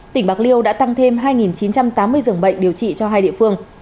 tỉnh bạc liêu đã tăng thêm hai chín trăm tám mươi dường bệnh điều trị cho hai địa phương